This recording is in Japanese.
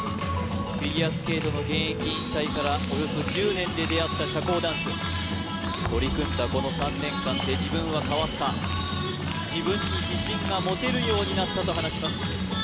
フィギュアスケートの現役引退からおよそ１０年で出会った社交ダンス取り組んだこの３年間で自分は変わった自分に自信が持てるようになったと話します